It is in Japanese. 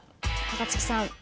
高月さん。